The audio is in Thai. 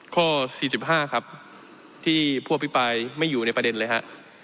ข้อสี่สิบห้าครับที่พูพิปรายไม่อยู่ในประเด็นเลยฮะ